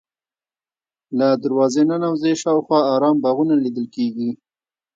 له دروازې ننوځې شاوخوا ارام باغونه لیدل کېږي.